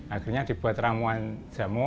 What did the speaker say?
akhirnya dibuat ramuan jamu